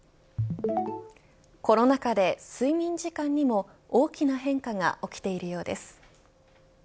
コロナ禍で睡眠時間にも大きな変化が起きているようです。